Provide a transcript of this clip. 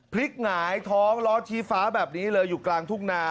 หงายท้องล้อชี้ฟ้าแบบนี้เลยอยู่กลางทุ่งนา